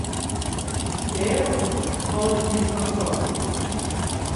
Dêrom hâld ik net fan katten.